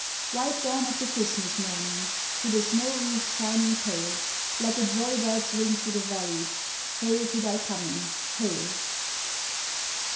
White dawn of the Christmas morning, Through the snow wreaths shining pale. Let the joy bells ring through the valleys, Hail to thy coming hail!